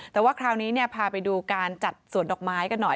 แต่ว่าคราวนี้พาไปดูการจัดสวนดอกไม้กันหน่อย